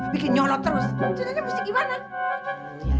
bikin nyolot terus ceritanya mesti gimana